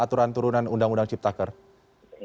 untuk mengundang undang cipta kerja